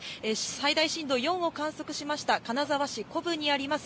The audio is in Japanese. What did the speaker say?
最大震度４を観測しました、金沢市古府にあります